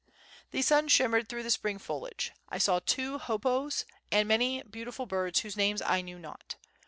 The sun shimmered through the spring foliage. I saw two hoopoes and many beautiful birds whose names I knew not.